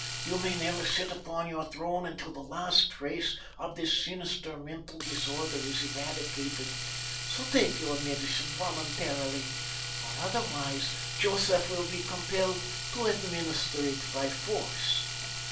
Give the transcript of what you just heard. You may never sit upon your throne until the last trace of this sinister mental disorder is eradicated, so take your medicine voluntarily, or otherwise Joseph will be compelled to administer it by force.